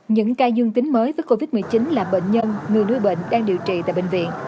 những ca dương tính mới với covid một mươi chín là bệnh nhân người nuôi bệnh đang điều trị tại bệnh viện